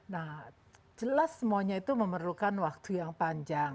nah jelas semuanya itu memerlukan waktu yang panjang